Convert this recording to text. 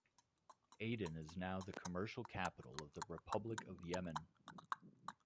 Aden is now the commercial capital of the Republic of Yemen.